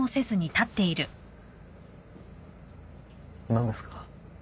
何ですか？